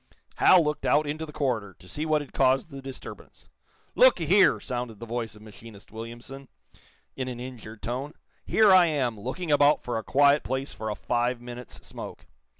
Hal looked out into the corridor to see what had caused the disturbance. "Look a here!" sounded the voice of machinist Williamson, in an injured tone. "Here I am, looking about for a quiet place for a five minutes' smoke.